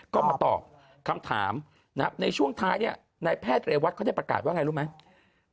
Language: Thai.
ก็มาตอบคำถามในช่วงท้ายในแพทย์เรวัตเขาได้ประกาศว่าไงรู้ไหม